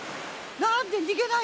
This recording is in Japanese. なんでにげないのよ！